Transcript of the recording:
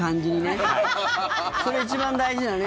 それ一番大事だね。